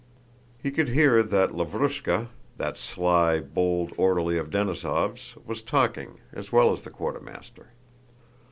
He could hear that Lavrúshka—that sly, bold orderly of Denísov's—was talking, as well as the quartermaster.